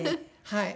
はい。